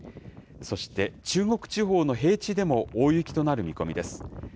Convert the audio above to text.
そして、中国地方の平地でも大雪となる見込みです。